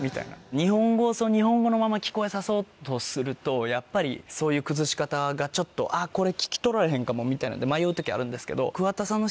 日本語を日本語のまま聴こえさそうとするとやっぱりそういう崩し方がちょっとあっこれ聴き取られへんかもみたいので迷う時あるんですけど。